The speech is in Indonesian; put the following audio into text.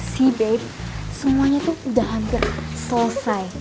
see beb semuanya tuh udah hampir selesai